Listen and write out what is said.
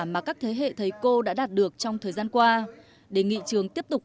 mà các thế hệ thấy cô đã đạt được trong thời gian qua